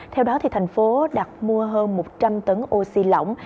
theo đó thành phố đặt mua hơn một trăm linh tấn oxy lỏng